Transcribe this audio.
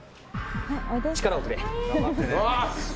力をくれ！